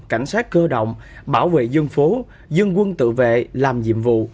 cảnh sát cơ động bảo vệ dân phố dân quân tự vệ làm nhiệm vụ